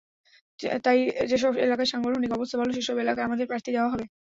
তাই যেসব এলাকায় সাংগঠনিক অবস্থা ভালো, সেসব এলাকায় আমাদের প্রার্থী দেওয়া হবে।